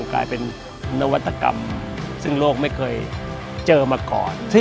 กลายเป็นนวัตกรรมซึ่งโลกไม่เคยเจอมาก่อน